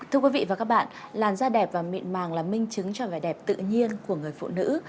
thưa quý vị và các bạn làn da đẹp và miệng màng là minh chứng cho vẻ đẹp tự nhiên của người phụ nữ